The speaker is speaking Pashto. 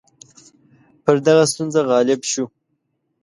پر دغه ستونزه غالب شو.